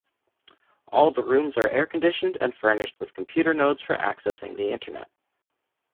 All the rooms are air-conditioned and furnished with computer nodes for accessing the Internet.